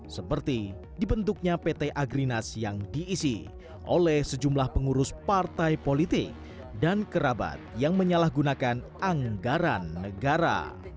seperti dibentuknya pt agrinas yang diisi oleh sejumlah pengurus partai politik dan kerabat yang menyalahgunakan anggaran negara